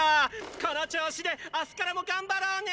この調子で明日からも頑張ろうね！